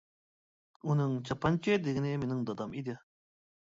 ئۇنىڭ چاپانچى دېگىنى مېنىڭ دادام ئىدى.